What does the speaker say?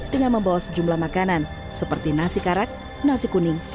dengan membawa sejumlah makanan seperti nasi karak nasi kuning